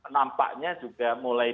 nampaknya juga mulai